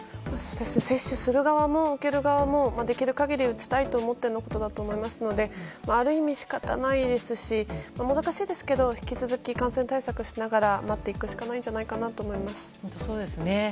接種する側も受ける側もできる限り打ちたいと思ってのことだと思いますのである意味、仕方ないですしもどかしいですけど引き続き感染対策をしながら待つしかないと思います。